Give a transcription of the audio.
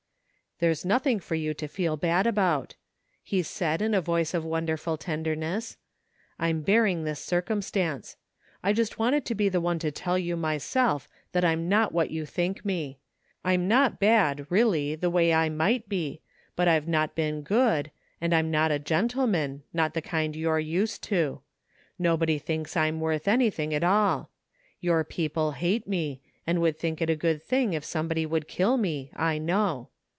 " There's nothing for you to feel bad about," he said in a voice of wonderful tenderness. " I'm bear ing this circumstance. I just wanted to be the one to tell you myself that I'm not what you think me. I'm not bad, really, the way I might be, but I've not been good, and I'm not a gentleman, not the kind you're used to. Nobody thinks I'm worth anything at all. Your people hate me, and would think it a good thing if scwnebody would kill me, I know.